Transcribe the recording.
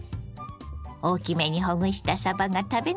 大きめにほぐしたさばが食べごたえ抜群！